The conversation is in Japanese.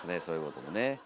そういうこともね。